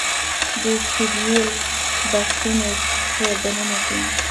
د سیریل بکسونو په دننه کې